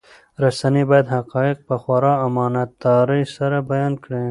رسنۍ باید حقایق په خورا امانتدارۍ سره بیان کړي.